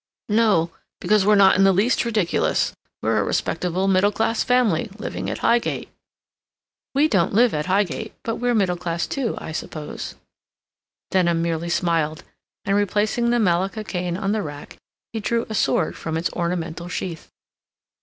"No—because we're not in the least ridiculous. We're a respectable middle class family, living at Highgate." "We don't live at Highgate, but we're middle class too, I suppose." Denham merely smiled, and replacing the malacca cane on the rack, he drew a sword from its ornamental sheath.